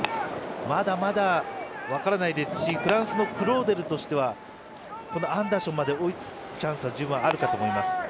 まだまだ分からないですしフランスのクローデルとしてはアンダーションまで追いつくチャンスは十分あるかと思います。